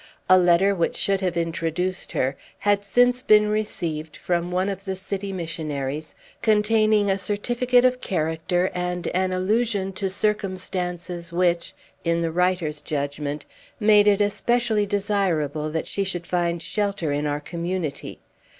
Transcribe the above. A letter, which should have introduced her, had since been received from one of the city missionaries, containing a certificate of character and an allusion to circumstances which, in the writer's judgment, made it especially desirable that she should find shelter in our Community.